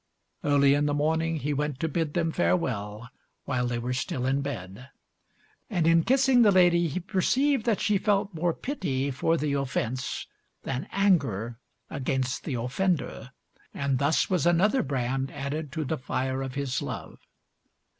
Early in the morning he went to bid them farewell, while they were still in bed; and in kissing the lady he perceived that she felt more pity for the offence than anger against the offender, and thus was another brand added to the fire of his love.